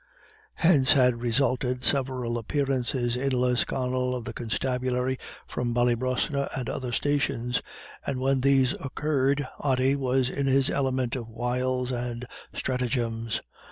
Hence had resulted several appearances in Lisconnel of the constabulary from Ballybrosna and other stations, and when these occurred Ody was in his element of wiles and stratagems.